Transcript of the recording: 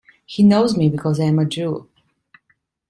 He knows me because I am a Jew.